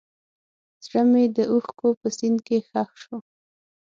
زړه مې د اوښکو په سیند کې ښخ شو.